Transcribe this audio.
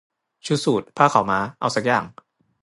ชุดสูท ผ้าขาวม้า เอาซักอย่าง